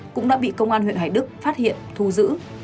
cũng đã bị công an huyện hoài đức phát hiện thu giữ